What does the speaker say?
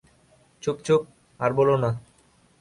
চুপ চুপ, আর বোলো না।